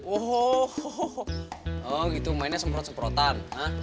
oh gitu mainnya semprot semprotan